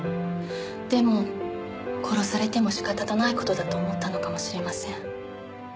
でも殺されても仕方のない事だと思ったのかもしれません。